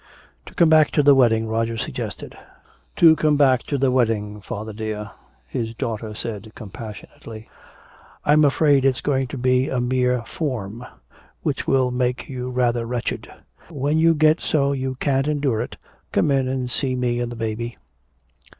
"To come back to the wedding," Roger suggested. "To come back to the wedding, father dear," his daughter said compassionately. "I'm afraid it's going to be a 'mere form' which will make you rather wretched. When you get so you can't endure it, come in and see me and the baby."